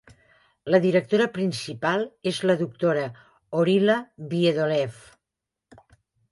La directora principal és la doctora Oryla Wiedoeft.